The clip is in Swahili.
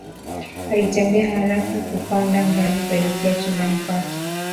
Alitembea haraka kupanda ngazi kuelekea chumbani kwake